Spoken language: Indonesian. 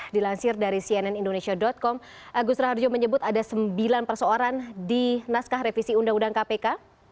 dilansir dari cnn indonesia com agus raharjo menyebut ada sembilan persoalan di naskah revisi undang undang kpk